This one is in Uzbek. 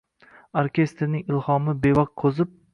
orkestrning ilhomi bevaqt qoʻzib